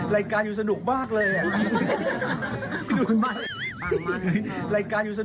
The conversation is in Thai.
รายการอยู่สนุกมากเลยอ่ะ